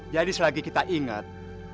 jadi selagi kita ingat